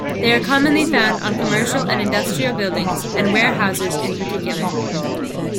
They are commonly found on commercial and industrial buildings, and warehouses in particular.